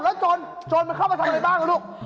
แล้วโจรมันเข้ามาทำอะไรบ้างลูก